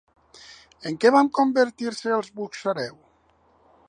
En què van convertir-se els Buxareu?